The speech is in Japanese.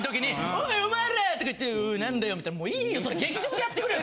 「おいお前ら！」とか言って「おい何だよ」みたいなもういいよそれ劇場でやってくれよ